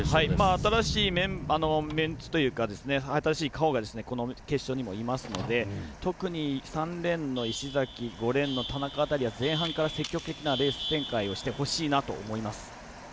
新しいメンツというか新しい顔が決勝にもいますので特に３レーンの石崎田中辺りは前半から積極的なレース展開をしてほしいなと思います。